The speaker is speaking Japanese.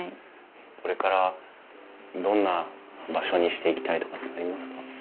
これからどんな場所にしていきたいとかってありますか？